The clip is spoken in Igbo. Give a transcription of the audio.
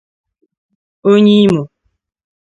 onye Imo